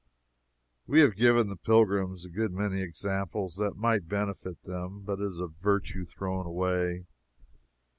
We have given the pilgrims a good many examples that might benefit them, but it is virtue thrown away.